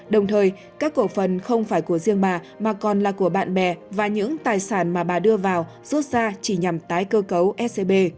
đồng thời các cổ phần không phải của riêng bà mà còn là của bạn bè và những tài sản mà bà đưa vào rút ra chỉ nhằm tái cơ cấu scb